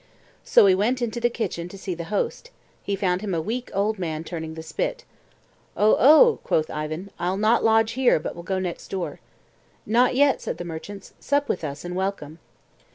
So he went into the kitchen to see the host; he found him a weak old man turning the spit. "Oh! oh!" quoth Ivan, "I'll not lodge here, but will go next door." "Not yet," said the merchants, "sup with us, and welcome."